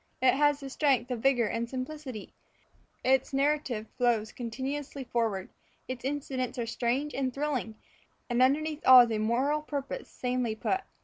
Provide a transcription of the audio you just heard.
It has the strength and vigour of simplicity; its narrative flows continuously forward; its incidents are strange and thrilling, and underneath all is a moral purpose sanely put.